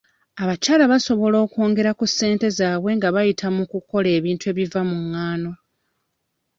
Abakyala basobola okwongera ku ssente zaabwe nga bayita mu kukola ebintu ebiva mu ngano.